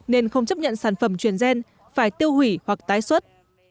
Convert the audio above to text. nên không chấp nhận sản phẩm chuyển gen phải tiêu hủy hoặc tái xuất